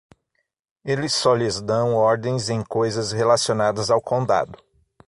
Eles só lhes dão ordens em coisas relacionadas ao condado.